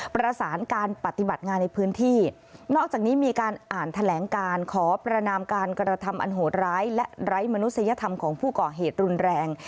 ประสานการปฏิบัติงานในพื้นที่นอกจากนี้มีการอ่านแถลงการขอประนามการกระทำอันโหดร้ายและไร้มนุษยธรรมของผู้ก่อเหตุรุนแรง